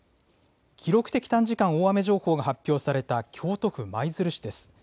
記録的短時間大雨情報が発表された、京都府舞鶴市です。